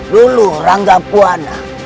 dulu rangga buwana